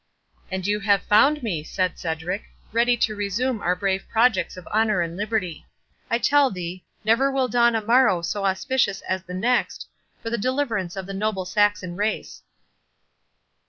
"And you have found me," said Cedric, "ready to resume our brave projects of honour and liberty. I tell thee, never will dawn a morrow so auspicious as the next, for the deliverance of the noble Saxon race."